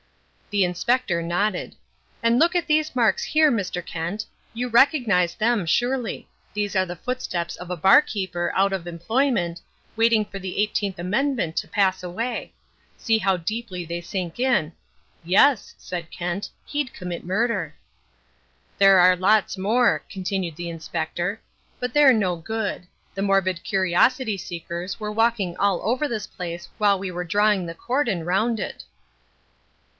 The Inspector nodded. "And look at these marks here, Mr. Kent. You recognize them, surely those are the footsteps of a bar keeper out of employment, waiting for the eighteenth amendment to pass away. See how deeply they sink in " "Yes," said Kent, "he'd commit murder." "There are lots more," continued the Inspector, "but they're no good. The morbid curiosity seekers were walking all over this place while we were drawing the cordon round it."